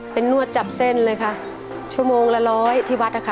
เป็นนวดจับเส้นเลยค่ะชั่วโมงละร้อยที่วัดนะคะ